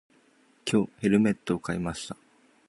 今日、ヘルメットを買いました。